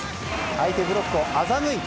相手ブロックをあざむいて。